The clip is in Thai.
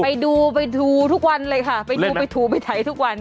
ไปดูไปทูทุกวันเลยค่ะไปดูไปทูไปถ่ายทุกวัน